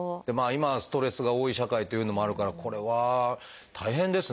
今はストレスが多い社会というのもあるからこれは大変ですね先生。